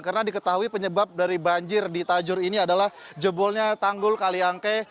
karena diketahui penyebab dari banjir di tajur ini adalah jebolnya tanggul kaliangke